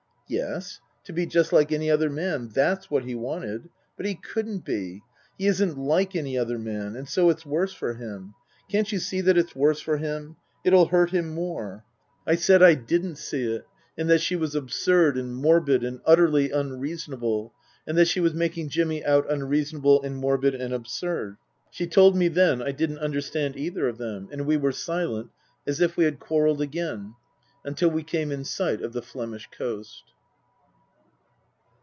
' Yes. To be just like any other man that's what he wanted. But he couldn't be. He isn't like any other man. And so it's worse for him. Can't you see that t's worse for him ? It'll hurt him more." 286 Tasker Jevons I said I didn't see it, and that she was absurd and morbid and utterly unreasonable, and that she was making Jimmy out unreasonable and morbid and absurd. She told me then I didn't understand either of them ; and we were silent, as if we had quarrelled again, until we came in sight of the Flemish coast.